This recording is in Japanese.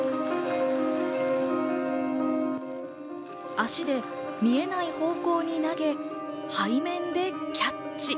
足で見えない方向に投げ、背面でキャッチ。